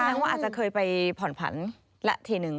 แสดงว่าอาจจะเคยไปผ่อนผันละทีนึง